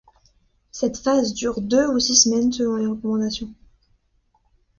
Cette phase dure deux ou six semaines selon les recommandations.